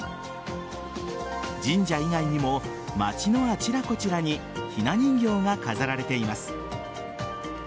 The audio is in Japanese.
神社以外にも街のあちらこちらにひな人形が飾られています。